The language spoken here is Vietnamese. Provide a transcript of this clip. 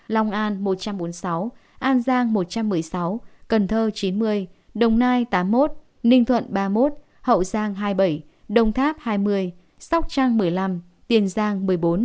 long an một trăm bốn mươi sáu an giang một trăm một mươi sáu cần thơ chín mươi đồng nai tám mươi một ninh thuận ba mươi một hậu giang hai mươi bảy đồng tháp hai mươi sóc trang một mươi năm tiền giang một mươi bốn